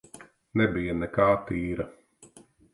Nebija nekā tīra.